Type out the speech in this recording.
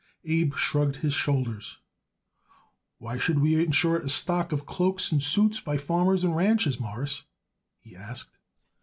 Abe shrugged his shoulders. "Why should we insure it a stock of cloaks and suits by farmers and ranchers, Mawruss?" he asked.